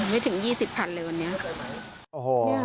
ไม่ถึง๒๐พันเลยวันนี้